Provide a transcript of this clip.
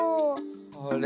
あれ？